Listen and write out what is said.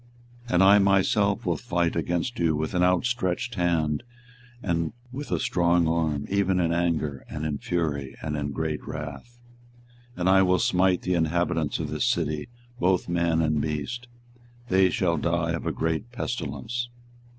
24:021:005 And I myself will fight against you with an outstretched hand and with a strong arm, even in anger, and in fury, and in great wrath. 24:021:006 And I will smite the inhabitants of this city, both man and beast: they shall die of a great pestilence.